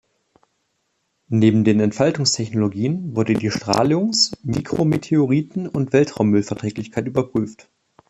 Neben den Entfaltungs-Technologien wurde die Strahlungs-, Mikrometeoriten- und Weltraummüll-Verträglichkeit überprüft.